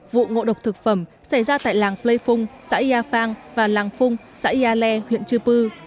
vụ ngộ độc thực phẩm xảy ra tại làng flay phung xã yia phang và làng phung xã yia le huyện chư pư